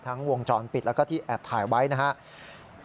วงจรปิดแล้วก็ที่แอบถ่ายไว้นะครับ